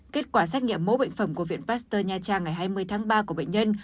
kết quả xét nghiệm mẫu bệnh phẩm của viện pasteur nha trang ngày hai mươi tháng ba của bệnh nhân